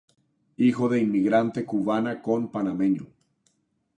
Hijo de inmigrante Cubana con Panameño.